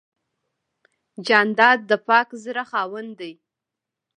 جانداد د پاک زړه خاوند دی.